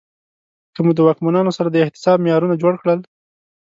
که مو د واکمنانو سره د احتساب معیارونه جوړ کړل